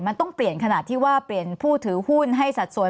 มันต้องเปลี่ยนขนาดที่ว่าเปลี่ยนผู้ถือหุ้นให้สัดส่วน